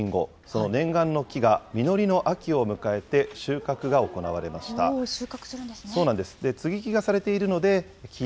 その念願の木が実りの秋を迎えて、収穫するんですね。